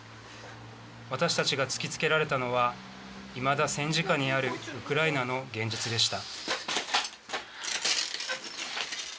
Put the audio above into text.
私たちが突きつけられたのはいまだ戦時下にあるウクライナの現実でした。